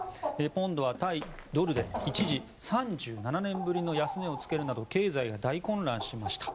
ポンドは対ドルで一時３７年ぶりの安値をつけるなど経済が大混乱しました。